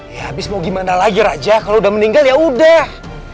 ya habis mau gimana lagi raja kalau udah meninggal ya udah